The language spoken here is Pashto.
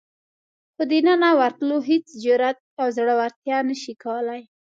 خو دننه ورتلو هېڅ جرئت او زړورتیا نشي کولای.